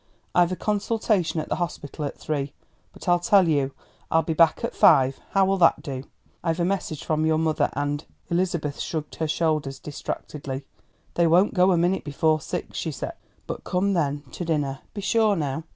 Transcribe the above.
I've a consultation at the hospital at three. But I'll tell you, I'll be back at five; how'll that do? I've a message from your mother, and " Elizabeth shrugged her shoulders distractedly. "They won't go a minute before six," she said; "but come then to dinner. Be sure now!"